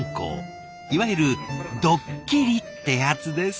いわゆるドッキリってやつです